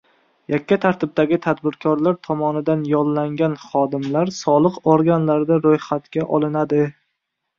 Yakka tartibdagi tadbirkorlar tomonidan yollangan xodimlar soliq organlarida ro‘yxatga olinadi